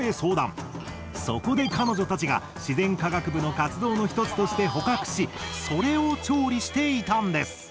そこで彼女たちが自然科学部の活動の一つとして捕獲しそれを調理していたんです。